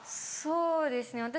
そうですね